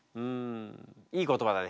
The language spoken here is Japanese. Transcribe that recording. いい言葉だね。